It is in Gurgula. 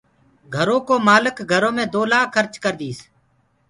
گھرو ڪو مآلڪ گھرو مي دو لآک کرچ ڪرديس